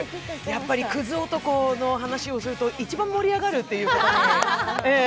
やっぱりクズ男の話をすると、一番盛り上がりというね。